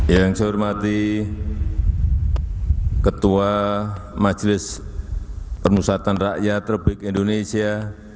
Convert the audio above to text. yang saya hormati ketua majelis permusatan rakyat republik indonesia